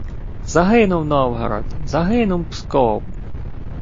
Загинув Новгород! Загинув Псков!